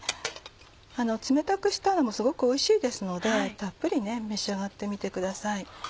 冷たくしたのもすごくおいしいですのでたっぷり召し上がってみてください。